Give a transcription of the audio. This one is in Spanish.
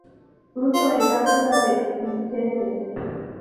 Fruto en cápsula dehiscente.